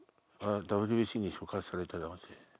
「ＷＢＣに触発された男性」。